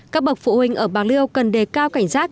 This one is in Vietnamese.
các bậc phụ huynh ở bạc liêu cần đề cao cảnh giác